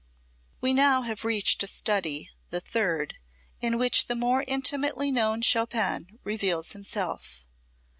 We now have reached a study, the third, in which the more intimately known Chopin reveals himself.